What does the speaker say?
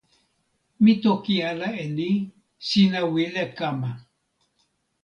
mi toki ala e ni: sina wile kama.